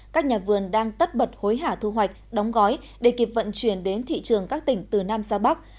các nhà vườn đang tất bật hối hả thu hoạch đóng gói để kịp vận chuyển đến thị trường các tỉnh từ nam ra bắc